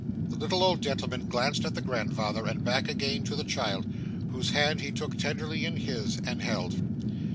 The little old gentleman glanced at the grandfather, and back again at the child, whose hand he took tenderly in his, and held.